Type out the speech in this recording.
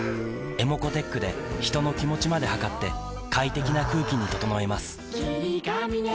ｅｍｏｃｏーｔｅｃｈで人の気持ちまで測って快適な空気に整えます